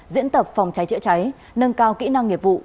diễn tập phòng cháy chữa cháy nâng cao kỹ năng nghiệp vụ